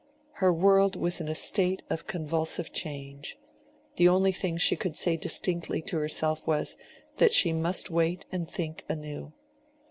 Her world was in a state of convulsive change; the only thing she could say distinctly to herself was, that she must wait and think anew.